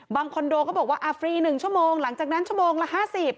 คอนโดก็บอกว่าฟรี๑ชั่วโมงหลังจากนั้นชั่วโมงละ๕๐